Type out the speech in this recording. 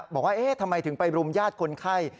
บอกว่าเอ๊ะทำไมถึงไปรุมญาติคนไข้